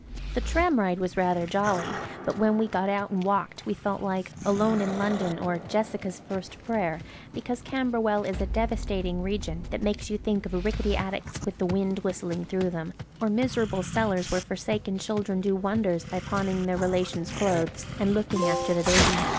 The tram ride was rather jolly, but when we got out and walked we felt like "Alone in London," or "Jessica's First Prayer," because Camberwell is a devastating region that makes you think of rickety attics with the wind whistling through them, or miserable cellars where forsaken children do wonders by pawning their relations' clothes and looking after the baby.